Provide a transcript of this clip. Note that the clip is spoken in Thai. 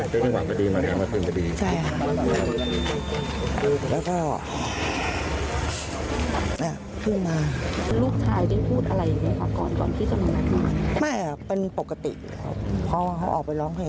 เต้นที่หวังจะดีมาแทนเขาว่าเต้นจะดี